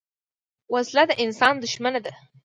وسله د انسان دښمنه ده